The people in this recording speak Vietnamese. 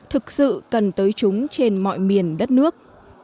thực sự cần tới chúng trên mọi miền đất nước